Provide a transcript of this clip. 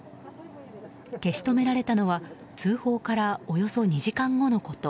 消し止められたのは通報から、およそ２時間後のこと。